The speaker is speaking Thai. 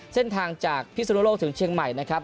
เส้นทางจากพิสุนโลกถึงเชียงใหม่นะครับ